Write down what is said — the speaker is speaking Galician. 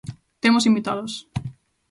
Temos invitados.